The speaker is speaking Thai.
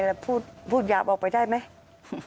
แล้วพูดหยาบออกไปได้ไหม